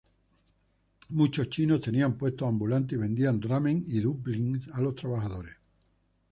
Muchos chinos tenían puestos ambulantes y vendían ramen y dumplings a los trabajadores.